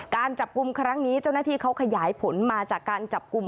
การจับกลุ่มครั้งนี้เจ้าหน้าที่เขาขยายผลมาจากการจับกลุ่ม